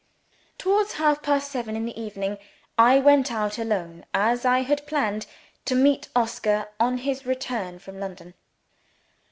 Towards half past seven in the evening, I went out alone, as I had planned, to meet Oscar on his return from London.